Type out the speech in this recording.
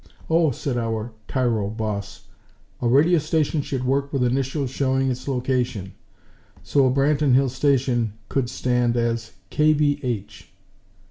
"Oh," said our tyro boss; "a radio station should work with initials showing its location. So a Branton Hills station could stand as KBH."